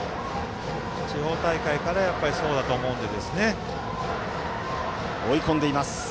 地方大会から、そうだと思うんで。